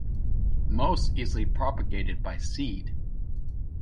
Most easily propagated by seed.